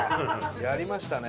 やりましたね。